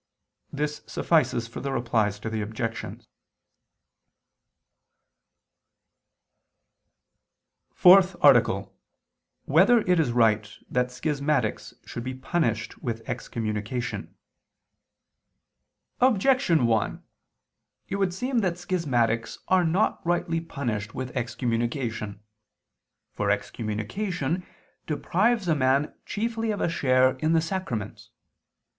This suffices for the Replies to the Objections. _______________________ FOURTH ARTICLE [II II, Q. 39, Art. 4] Whether It Is Right That Schismatics Should Be Punished with Excommunication? Objection 1: It would seem that schismatics are not rightly punished with excommunication. For excommunication deprives a man chiefly of a share in the sacraments.